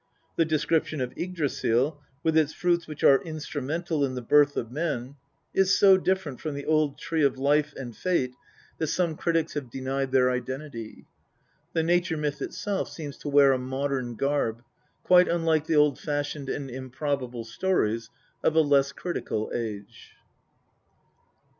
The description of Yggdrasil, with its fruits which are instrumental in the birth of men, is so different from the old Tree of life and fate that some INTRODUCTION. XLV critics have denied their identity. The nature myth itself seems to wear a modern garb, quite unlike the old fashioned and improbable stories of a less critical age.